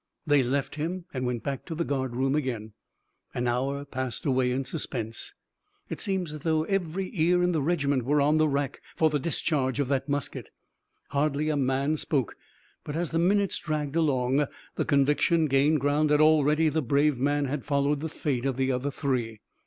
They left him and went back to the guard room again. An hour passed away in suspense. It seemed as though every ear in the regiment were on the rack for the discharge of that musket. Hardly a man spoke, but as the minutes dragged along the conviction gained ground that already the brave man had followed the fate of the other three.